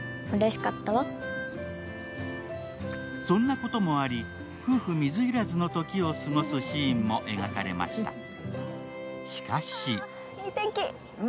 そんなこともあり、夫婦水入らずの時を過ごすシーンも描かれました。